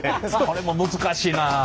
これも難しいなあ。